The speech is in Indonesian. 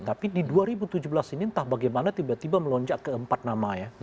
tapi di dua ribu tujuh belas ini entah bagaimana tiba tiba melonjak ke empat nama ya